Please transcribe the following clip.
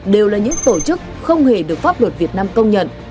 đều là những tổ chức không hề được pháp luật việt nam công nhận